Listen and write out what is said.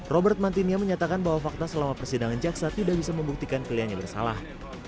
robert mantinia menyatakan bahwa fakta selama persidangan jaksa tidak bisa membuktikan kliennya bersalah